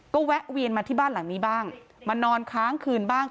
ก็แวะเวียนมาที่บ้านหลังนี้บ้างมานอนค้างคืนบ้าง